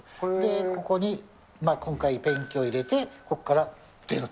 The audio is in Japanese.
ここに今回ペンキを入れて、ここから出ると。